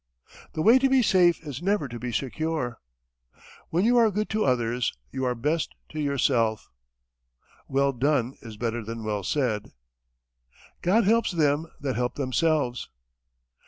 The way to be safe is never to be secure. When you are good to others, you are best to yourself. Well done is better than well said. God helps them that help themselves.